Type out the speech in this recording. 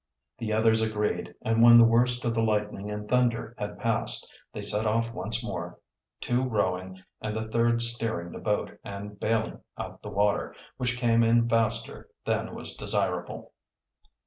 The others agreed, and when the worst of the lightning and thunder had passed they set off once more, two rowing and the third steering the boat and bailing out the water, which came in faster than was desirable.